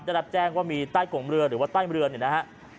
ได้รับแจ้งว่ามีใต้กงเรือหรือว่าใต้เรือเนี่ยนะฮะ